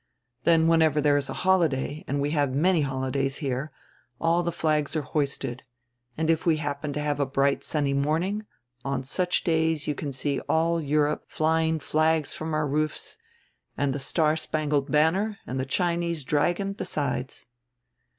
Then whenever there is a holiday, and we have many holidays here, all the flags are hoisted, and, if we happen to have a bright sunny morning, on such days you can see all Europe flying flags from our roofs, and the star spangled banner and the Chinese dragon besides."